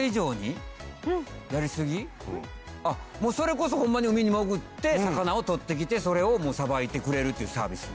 あっそれこそホンマに海に潜って魚をとってきてそれをさばいてくれるっていうサービス。